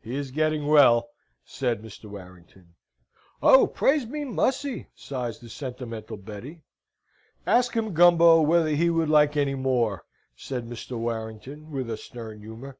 "He is getting well," said Mr. Warrington. "Oh, praise be Mussy!" sighs the sentimental Betty. "Ask him, Gumbo, whether he would like any more?" said Mr. Warrington, with a stern humour.